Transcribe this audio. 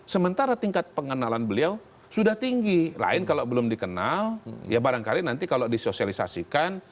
sementara tingkat pengenalan beliau sudah tinggi lain kalau belum dikenal ya barangkali nanti kalau disosialisasikan